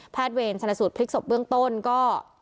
เวรชนสูตรพลิกศพเบื้องต้นก็